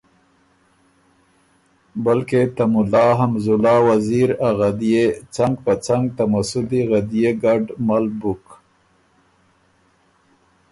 بلکې ته مُلا حمزالله وزیر غدئے څنګ په څنګ ته مسُدی غدئے ګیرډ مل بُک۔